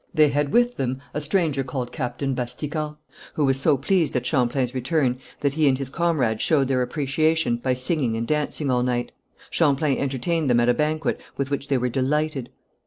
They had with them a stranger named Captain Batiscan, who was so pleased at Champlain's return that he and his comrades showed their appreciation by singing and dancing all night. Champlain entertained them at a banquet, with which they were delighted.